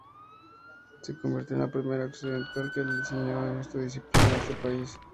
Se convirtió en la primera occidental que enseñó esta disciplina en ese país.